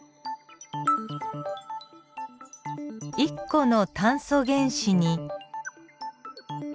１個の炭素原子に。